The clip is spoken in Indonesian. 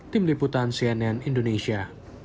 tim liputan cnn indonesia